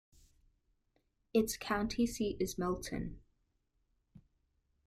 Its county seat is Milton.